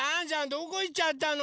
どこいっちゃったの？